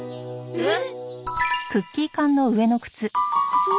えっ！